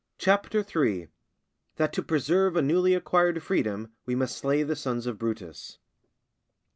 CHAPTER III.—_That to preserve a newly acquired Freedom we must slay the Sons of Brutus.